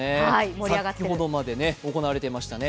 先ほどまで行われていましたね。